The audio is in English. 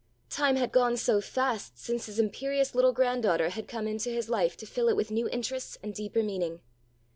Time had gone so fast since his imperious little grand daughter had come into his life to fill it with new interests and deeper meaning.